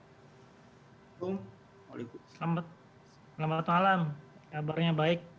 selamat malam kabarnya baik